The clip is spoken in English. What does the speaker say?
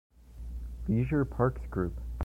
Leisure Parks group.